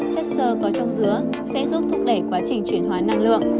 chất sơ có trong dứa sẽ giúp thúc đẩy quá trình chuyển hóa năng lượng